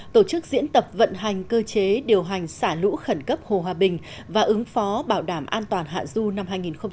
tổ chức diễn tập vận hành cơ chế điều hành xả lũ khẩn cấp hồ hòa bình và ứng phó bảo đảm an toàn hạ du năm hai nghìn một mươi chín